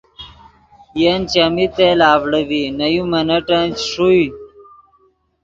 ین چیمی تیل اڤڑے ڤی نے یو منٹن چے ݰوئے